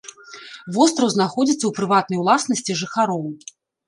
Востраў знаходзіцца ў прыватнай уласнасці жыхароў.